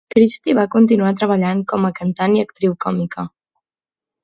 Christie va continuar treballant com a cantant i actriu còmica.